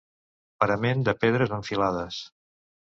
Parament de pedres en filades.